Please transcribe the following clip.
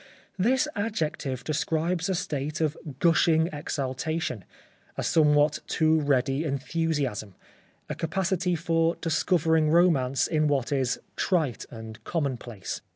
This adjective describes a state of gushing exaltation, a somewhat too ready enthusiasm, a capacity for discovering romance in what is trite and commonplace.